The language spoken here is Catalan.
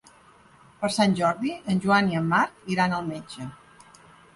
Per Sant Jordi en Joan i en Marc iran al metge.